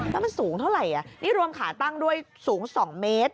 แล้วมันสูงเท่าไหร่นี่รวมขาตั้งด้วยสูง๒เมตร